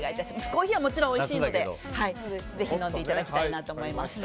コーヒーはもちろんおいしいのでぜひ飲んでいただきたいと思います。